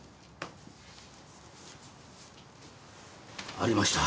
ありました